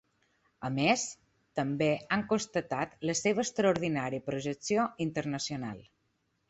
A més, també han constatat la seva ‘extraordinària projecció internacional’.